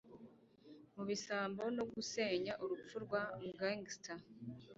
Mubisambo no gusenya urupfu rwa gangster